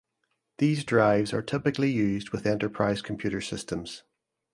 These drives are typically used with enterprise computer systems.